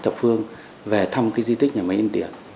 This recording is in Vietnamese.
được phương về thăm cái di tích nhà máy in tiệc